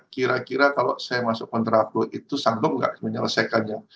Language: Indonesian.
kira kira kalau saya masuk kontra flow itu sanggup nggak menyelesaikannya